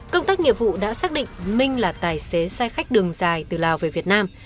công tác nghiệp vụ đã xác định minh là tài xế xe khách đường dài từ lào về việt nam